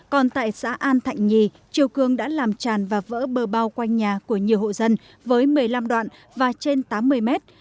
còn tại xã an thạnh nhì chiều cường đã làm tràn và vỡ bờ bao quanh nhà của nhiều hộ dân với một mươi năm đoạn và trên tám mươi mét